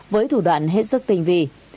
với thủ đoạn hết sức tình vì